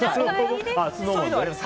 ＳｎｏｗＭａｎで？